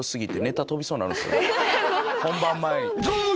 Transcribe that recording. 本番前。